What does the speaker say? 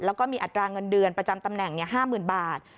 แล้วก็มีอัตราเงินเดือนประจำตำแหน่ง๕๐๐๐บาท